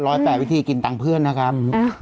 ร้อยแป่วิธีกินต่างเพื่อนนะคะ